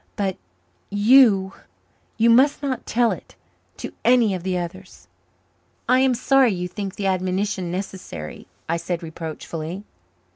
But you you must not tell it to any of the others." "I am sorry you think the admonition necessary," I said reproachfully.